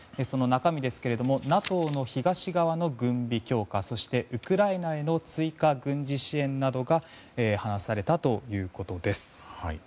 その中身ですがＮＡＴＯの東側の軍備強化そしてウクライナへの追加軍事支援などが話されたということです。